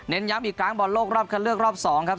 ย้ำอีกครั้งบอลโลกรอบคันเลือกรอบ๒ครับ